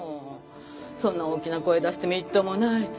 そんな大きな声出してみっともない。